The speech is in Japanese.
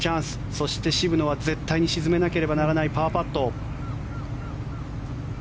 そして渋野は絶対に沈めなければならないパーパット。